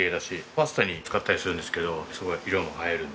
パスタに使ったりするんですけどすごい色も映えるんで。